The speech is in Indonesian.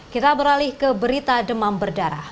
kita beralih ke berita demam berdarah